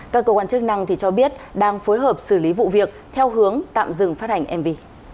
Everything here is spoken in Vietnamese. các cơ quan chức năng cho biết đang phối hợp xử lý vụ việc theo hướng tạm dừng phát hành mv